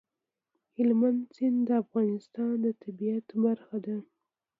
هلمند سیند د افغانستان د طبیعت برخه ده.